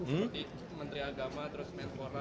seperti menteri agama terus menpora